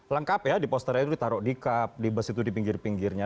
lengkap ya di posternya itu ditaruh di cup di bus itu di pinggir pinggirnya